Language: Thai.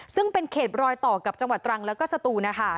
ซึ่งเป็นเห็นเหลวจากจังหวัดตรังและเขาตัว